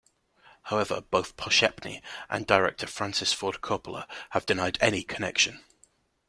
However, both Poshepny and director Francis Ford Coppola have denied any connection.